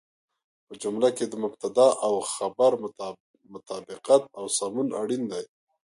په جمله کې د مبتدا او خبر مطابقت او سمون اړين دی.